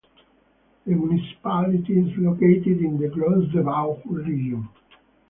The municipality is located in the Gros-de-Vaud region.